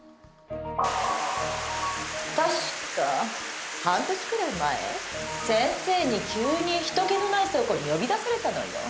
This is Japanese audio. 確か半年くらい前先生に急にひとけのない倉庫に呼び出されたのよ。